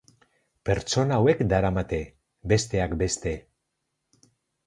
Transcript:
Pertsona hauek daramate, besteak beste.